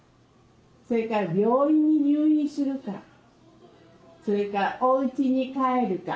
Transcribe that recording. それから病院に入院するかそれかおうちに帰るか。